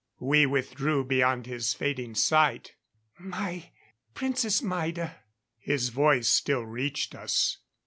We withdrew beyond his fading sight. "My Princess Maida " His voice still reached us.